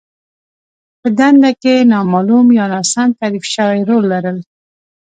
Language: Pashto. په دنده کې نامالوم يا ناسم تعريف شوی رول لرل.